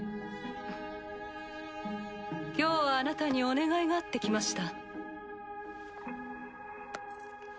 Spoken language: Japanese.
今日はあなたにお願いがあって来ました。